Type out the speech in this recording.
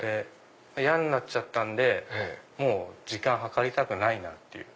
嫌になっちゃったんで時間計りたくないなぁって。